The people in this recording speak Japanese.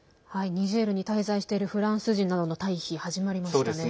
ニジェールに滞在しているフランス人などの退避が始まりましたね。